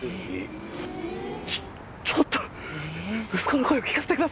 ちょちょっと。